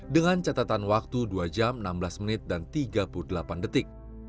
dengan catatan waktu dua jam enam belas menit dan tiga puluh delapan detik